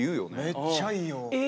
めっちゃいいよ。